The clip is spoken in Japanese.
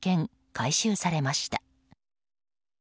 回収されました。